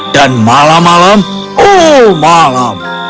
dan malam malam oh malam